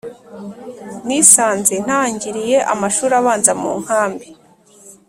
nisanze ntangiriye amashuri abanza munkambi